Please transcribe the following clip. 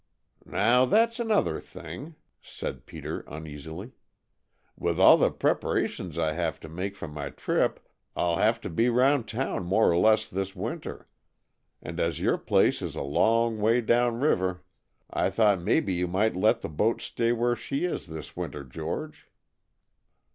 "Now, that's another thing," said Peter uneasily. "With all the preparations I have to make for my trip I'll have to be round town more or less this winter, and as your place is a long way down river, I thought maybe you might let the boat stay where she is this winter, George?"